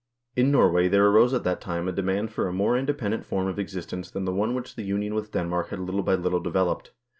In Norway there arose at that time a demand for a more independent form of existence than the one which the union with Denmark had little by little developed.